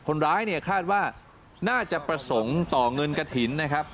คนร้ายเนี่ยคาดว่าน่าจะประสงค์ต่อเงินกระถิ่นนะครับ